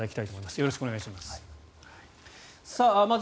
よろしくお願いします。